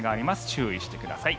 注意してください。